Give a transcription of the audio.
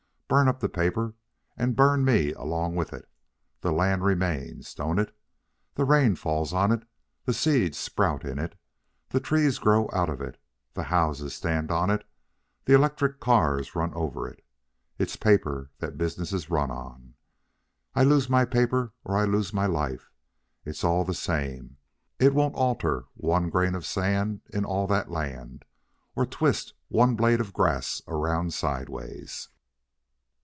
Burn up the paper, and burn me along with it. The land remains, don't it? The rain falls on it, the seeds sprout in it, the trees grow out of it, the houses stand on it, the electric cars run over it. It's paper that business is run on. I lose my paper, or I lose my life, it's all the same; it won't alter one grain of sand in all that land, or twist one blade of grass around sideways.